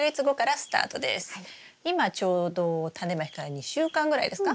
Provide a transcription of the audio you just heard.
今ちょうどタネまきから２週間ぐらいですか？